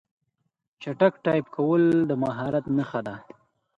چټک ټایپ کول د مهارت نښه ده.